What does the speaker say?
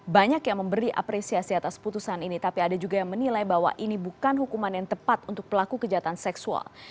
banyak yang memberi apresiasi atas putusan ini tapi ada juga yang menilai bahwa ini bukan hukuman yang tepat untuk pelaku kejahatan seksual